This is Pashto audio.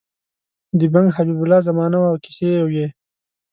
د بنګ حبیب الله زمانه وه او کیسې یې وې.